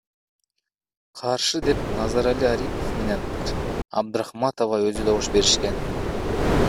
Каршы деп Назарали Арипов менен Абдрахматова өзү добуш беришкен.